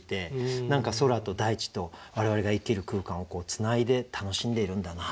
何か空と大地と我々が生きる空間をつないで楽しんでいるんだなっていう。